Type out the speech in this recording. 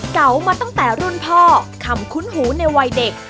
เก่ามาตั้งแต่รุ่นพ่อคำคุ้นหูในวัยเด็ก